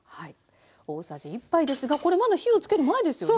大さじ１杯ですがこれまだ火をつける前ですよね。